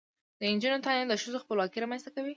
د نجونو تعلیم د ښځو خپلواکۍ رامنځته کوي.